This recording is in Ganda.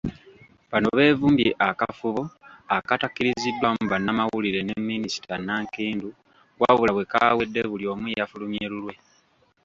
Bano beevumbye akafubo akatakkiriziddwamu bannamawulire ne minisita Nankindu wabula bwe kaawedde buli omu yafulumye lulwe.